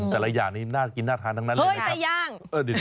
แต่ละอย่างนี้น่ากินน่าทานทั้งนั้นเลยนะครับเฮ้ยใส่ย่าง